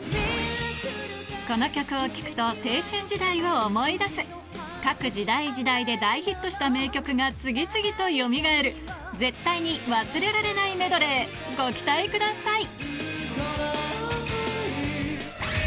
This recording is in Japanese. この曲を聴くと青春時代を思い出す各時代時代で大ヒットした名曲が次々とよみがえるご期待ください